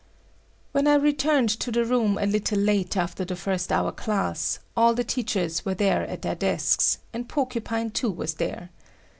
When I returned to the room a little late after the first hour class, all the teachers were there at their desks, and Porcupine too was there.